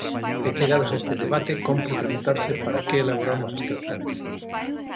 E chegados a este debate cómpre preguntarse para que elaboramos este orzamento.